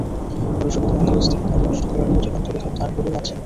পরে সুবিধামতো স্থানে গাড়ি নষ্ট হওয়ার অজুহাত তুলে দাঁড় করিয়ে রাখেন।